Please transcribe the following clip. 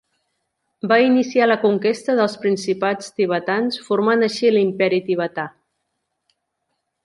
Va iniciar la conquesta dels principats tibetans, formant així l'Imperi tibetà.